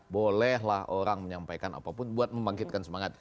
bolehlah orang menyampaikan apapun buat membangkitkan semangat